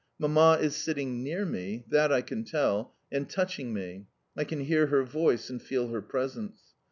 Mamma is sitting near me that I can tell and touching me; I can hear her voice and feel her presence.